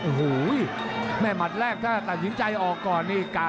สสอนหน้านี้นี่อรัวมัติขู่ลุ่นน้องมุมแดงที่เห็นแล้วครับส